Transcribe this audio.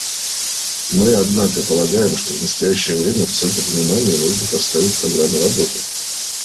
Мы, однако, полагаем, что в настоящее время в центр внимания нужно поставить программу работы.